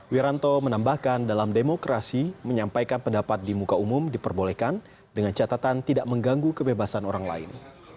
wiranto menambahkan dalam demokrasi menyampaikan pendapat di muka umum diperbolehkan dengan catatan tidak mengganggu kebebasan orang lain